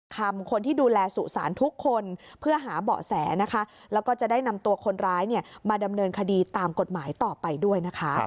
คำคนที่ดูแลสุสานทุกคนเพื่อหาเบาะแสนะคะแล้วก็จะได้นำตัวคนร้ายมาดำเนินคดีตามกฎหมายต่อไปด้วยนะคะ